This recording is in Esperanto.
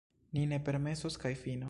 Ni ne permesos, kaj fino!